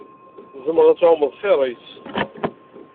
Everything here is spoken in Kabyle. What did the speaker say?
Tzemreḍ ad tɛummeḍ xir-is.